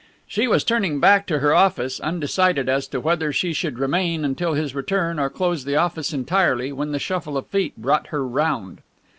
She was turning back to her office, undecided as to whether she should remain until his return or close the office entirely, when the shuffle of feet brought her round.